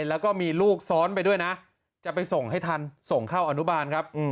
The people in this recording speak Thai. แล้วก็มีลูกซ้อนไปด้วยนะจะไปส่งให้ทันส่งเข้าอนุบาลครับ